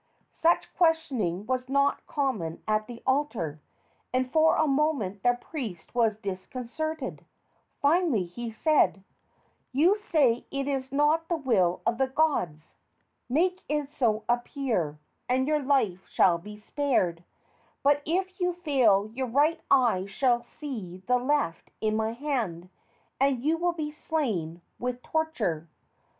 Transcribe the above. Such questioning was not common at the altar, and for a moment the priest was disconcerted. Finally he said: "You say it is not the will of the gods. Make it so appear, and your life shall be spared; but if you fail your right eye shall see the left in my hand, and you will be slain with torture."